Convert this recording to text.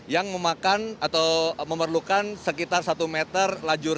yang memakan atau memerlukan sekitar satu meter lajur